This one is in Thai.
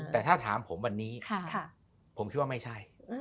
แต่ถ้าถามผมวันนี้ผมคิดว่าไม่ใช่